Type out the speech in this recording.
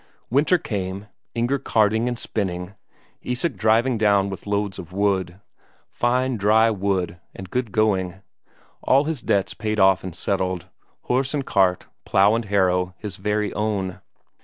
Winter came, Inger carding and spinning, Isak driving down with loads of wood; fine dry wood and good going; all his debts paid off and settled; horse and cart, plough and harrow his very own.